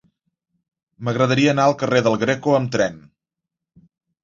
M'agradaria anar al carrer del Greco amb tren.